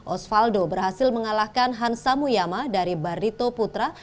osvaldo berhasil mengalahkan hansa muyama dari barito putra